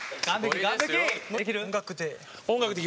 音楽で？